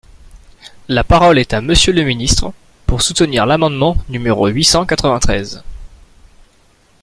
La parole est à Monsieur le ministre, pour soutenir l’amendement numéro huit cent quatre-vingt-treize.